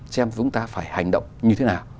xem chúng ta phải hành động như thế nào